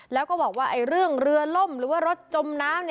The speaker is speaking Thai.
แล้วก็บอกว่าเรื่องเรือล่มหรือว่ารถจมน้ำ